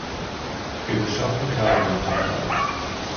Bydd y siop yn cau mewn hanner awr.